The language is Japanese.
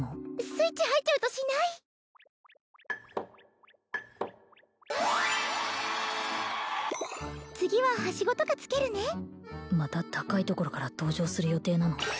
スイッチ入っちゃうとしない次はハシゴとかつけるねまた高いところから登場する予定なの？